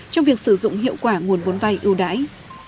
trong việc sử dụng hiệu quả nguồn vốn vay ưu đãi